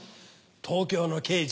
東京の刑事。